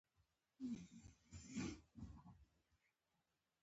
تور زاغان او تور ماران به تپېدله